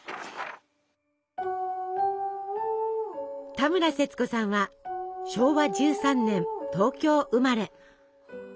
田村セツコさんは昭和１３年東京生まれ。